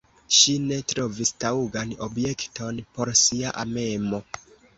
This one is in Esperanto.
Ŝi ne trovis taŭgan objekton por sia amemo.